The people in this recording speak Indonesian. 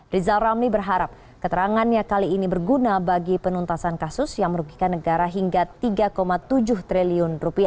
rizal ramli berharap keterangannya kali ini berguna bagi penuntasan kasus yang merugikan negara hingga rp tiga tujuh triliun